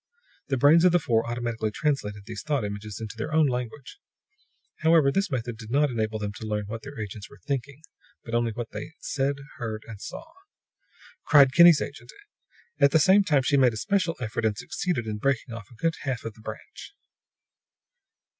The brains of the four automatically translated these thought images into their own language. However, this method did not enable them to learn what their agents were thinking, but only what they said, heard, and saw.] cried Kinney's agent; at the same time she made a special effort, and succeeded in breaking off a good half of the branch.